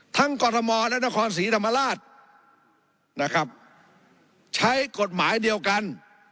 กรทมและนครศรีธรรมราชนะครับใช้กฎหมายเดียวกัน